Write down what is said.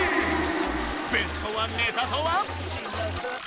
ベストワンネタとは？